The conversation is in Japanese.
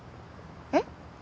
えっ？